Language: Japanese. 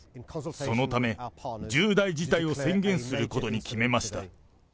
そのため、重大事態を宣言することに決めました。